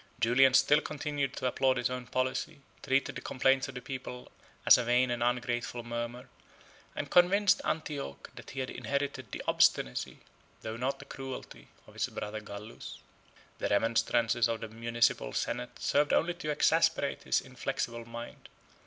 Julian still continued to applaud his own policy, treated the complaints of the people as a vain and ungrateful murmur, and convinced Antioch that he had inherited the obstinacy, though not the cruelty, of his brother Gallus. 16 The remonstrances of the municipal senate served only to exasperate his inflexible mind.